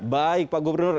baik pak gubernur